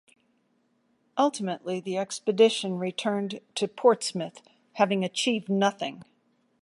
Ultimately the expedition returned to Portsmouth having achieved nothing.